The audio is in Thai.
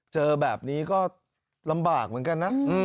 เจอแบบนี้ก็ลำบากเหมือนกันนะ